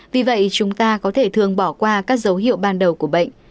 vì vậy chúng ta có thể thường bỏ qua các dấu hiệu ban đầu của bệnh